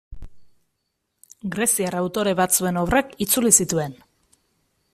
Greziar autore batzuen obrak itzuli zituen.